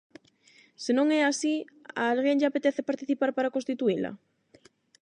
Se non é así, a alguén lle apetece participar para constituíla?